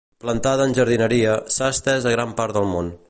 Plantada en jardineria, s'ha estès a gran part del món.